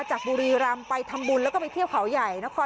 จากบุรีรัมป์ไปทำบุญแล้วก็ไปเที่ยวปะเตียงเผาใหญ่